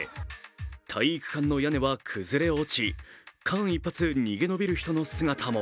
体育館の屋根は崩れ落ち間一髪逃げ延びる人の姿も。